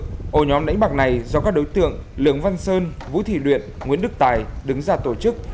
tổ nhóm đánh bạc này do các đối tượng lường văn sơn vũ thị luyện nguyễn đức tài đứng ra tổ chức